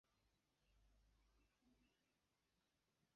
Dum periodo de la subpremo li okupiĝis nur pri la familia bieno.